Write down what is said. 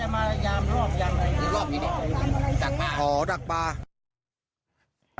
มันจะมารายการรอบยังไงรอบยังไงดักปลาอ๋อดักปลา